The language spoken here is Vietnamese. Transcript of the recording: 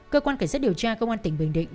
cơ quan kể sức điều tra công an tỉnh bình định